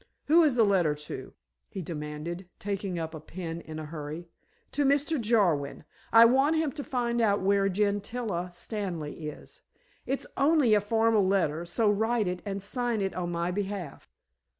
"Who is the letter to?" he demanded, taking up a pen in a hurry. "To Mr. Jarwin. I want him to find out where Gentilla Stanley is. It's only a formal letter, so write it and sign it on my behalf."